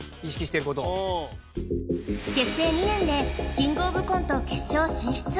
結成２年でキングオブコント決勝進出